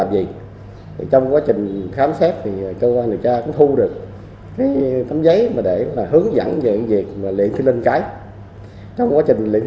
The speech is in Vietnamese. để mà luyện cho nó có hiệu quả